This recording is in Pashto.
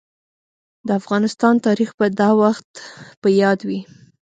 د افغانستان تاريخ به دا وخت په ياد وي.